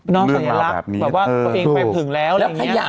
เนื้อเหล่าแบบนี้